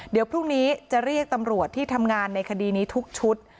เดี๋ยวพรุ่งนี้จะเรียกตำรวจที่ทำงานในคดีนี้ทุกชุด